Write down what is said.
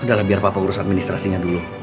udah lah biar papa urus administrasinya dulu